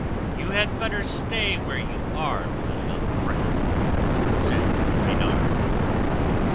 "You had better stay where you are, my young friend," said Reynard.